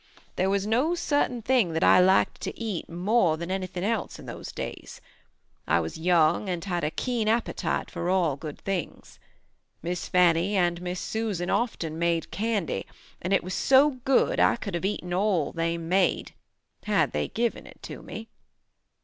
There was no certain thing that I liked to eat more than anything else in those days. I was young and had a keen appetite for all good things. Miss Fannie and Miss Susan often made candy and it was so good I could have eaten all they made, had they given it to me.